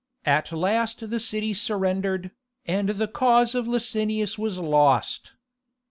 At last the city surrendered, and the cause of Licinius was lost.